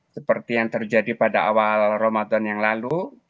seperti yang terjadi pada awal ramadan yang lalu